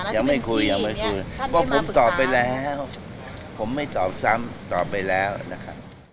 ยังไม่คุยยังไม่คุยว่าผมตอบไปแล้วผมไม่ตอบซ้ำตอบไปแล้วนะครับ